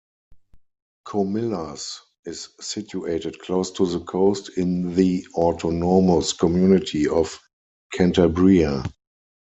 Comillas is situated close to the coast in the autonomous community of Cantabria.